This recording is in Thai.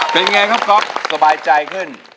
เป็นไงครับก๊อฟสบายใจขึ้น